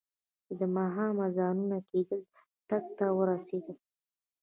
چې د ماښام اذانونه کېدل، ټک ته ورسېدم.